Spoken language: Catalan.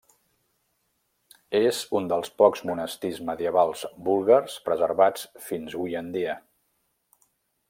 És un dels pocs monestirs medievals búlgars preservats fins hui en dia.